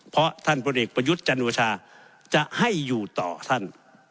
เพราะท่านพลเอกประยุทธ์จันโอชาจะให้อยู่ต่อท่าน